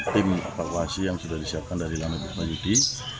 tim apelasi yang sudah disiapkan dari laman bukmal yudi